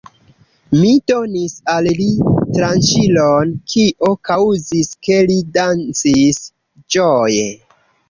Mi donis al li tranĉilon, kio kaŭzis, ke li dancis ĝoje.